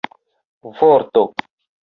vorto